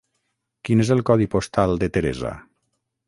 Quin és el codi postal de Teresa?